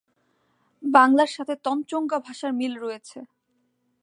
বাংলার সাথে তঞ্চঙ্গ্যা ভাষার মিল রয়েছে।